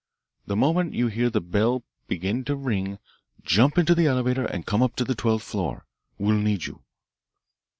The moment you hear the bell begin to ring; jump into the elevator and come up to the twelfth floor we'll need you."